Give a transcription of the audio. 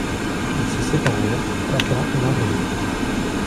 Ils se séparèrent, contents l'un de l'autre.